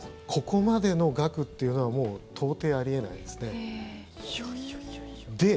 ここまでの額っていうのは到底、あり得ないですね。